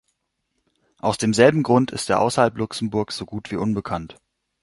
Aus demselben Grund ist er außerhalb Luxemburgs so gut wie unbekannt.